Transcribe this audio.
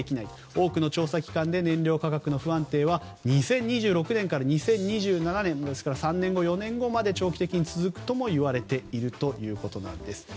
多くの調査機関で燃料価格の不安定は２０２６年から２０２７年ですから３年後、４年後まで長期的に続くともいわれているということです。